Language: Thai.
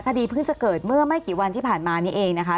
เพิ่งจะเกิดเมื่อไม่กี่วันที่ผ่านมานี้เองนะคะ